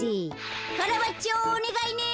カラバッチョおねがいね。